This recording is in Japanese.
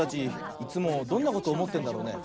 いつもどんなことおもってんだろうね。